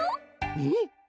えっ？